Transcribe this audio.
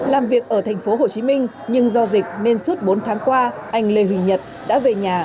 làm việc ở thành phố hồ chí minh nhưng do dịch nên suốt bốn tháng qua anh lê huy nhật đã về nhà